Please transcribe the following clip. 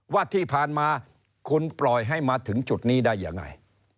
ว่าที่ผ่านมาคุณปล่อยให้มาถึงจุดนี้ได้ยังไง